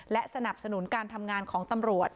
และสนับสนุนการทำงานของตำรวจ